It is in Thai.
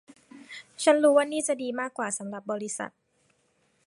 ฉันรู้ว่านี่จะดีมากกว่าสำหรับบริษัท